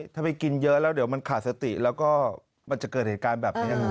ถ้าไปกินเยอะแล้วเดี๋ยวมันขาดสติแล้วก็มันจะเกิดเหตุการณ์แบบนี้